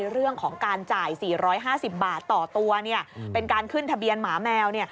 เรื่องของการจ่าย๔๕๐บาทต่อตัวเป็นการขึ้นทะเบียนหมาแมว